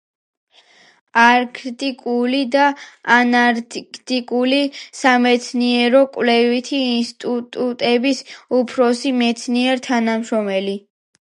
არქტიკული და ანტარქტიკული სამეცნიერო-კვლევითი ინსტიტუტების უფროსი მეცნიერ თანამშრომელი.